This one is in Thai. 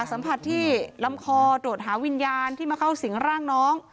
สัมผัสที่ลำคอตรวจหาวิญญาณที่มาเข้าสิงร่างน้อง